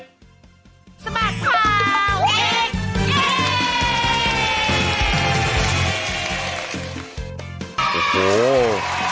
สมัครข่าวเด็ก